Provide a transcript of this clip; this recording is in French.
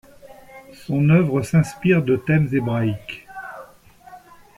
Son œuvre s'inspire de thèmes hébraïques.